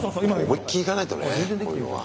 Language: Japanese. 思いっきりいかないとねこういうのは。